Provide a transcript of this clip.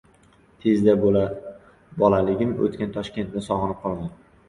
tezda bolaligim o‘tgan Toshkentni sog‘inib qolaman